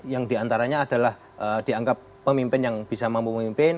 yang diantaranya adalah dianggap pemimpin yang bisa mampu memimpin